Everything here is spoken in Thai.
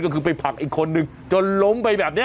ก็คือไปผลักอีกคนนึงจนล้มไปแบบนี้